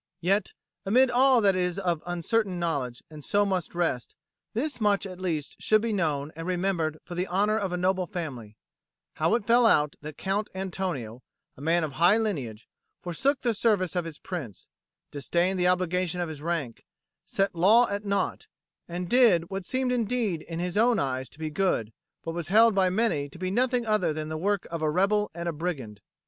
Yet, amid all that is of uncertain knowledge and so must rest, this much at least should be known and remembered for the honour of a noble family, how it fell out that Count Antonio, a man of high lineage, forsook the service of his Prince, disdained the obligation of his rank, set law at naught, and did what seemed indeed in his own eyes to be good but was held by many to be nothing other than the work of a rebel and a brigand.